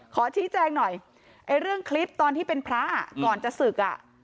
ขอชี้แจงหน่อยไอ้เรื่องคลิปตอนที่เป็นพระก่อนจะศึกอ่ะ